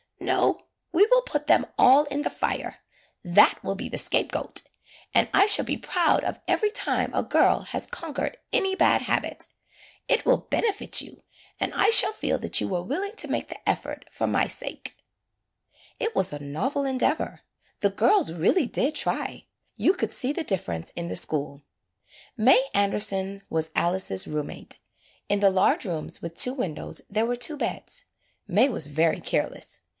"No, we will put them all in the fire; that will be the scapegoat. And I shall be proud of every time a girl has conquered any bad habit. It will benefit you, and I shall feel that you were willing to make the effort for my sake." [ 15 ] AN EASTER LILY It was a novel endeavor. The girls really did try. You could see the difference in the school. May Anderson was Alice's room mate. In the large rooms with two windows there were two beds. May was very careless.